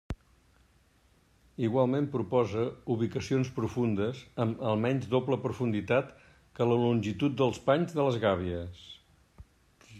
Igualment proposa ubicacions profundes amb almenys doble profunditat que la longitud dels panys de les gàbies.